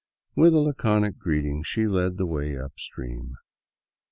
With a laconic greeting, she led the way up stream.